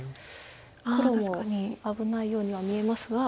黒も危ないようには見えますが。